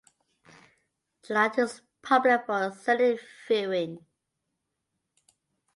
The light is popular for scenic viewing.